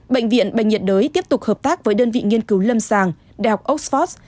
bệnh viện bệnh nhiệt đới tiếp tục hợp tác với đơn vị nghiên cứu lâm sàng đh oxford